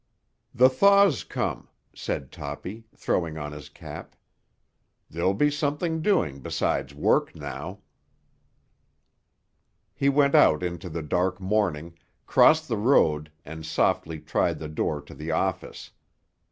"The thaw's come," said Toppy, throwing on his cap. "There'll be something doing besides work now." He went out into the dark morning, crossed the road and softly tried the door to the office.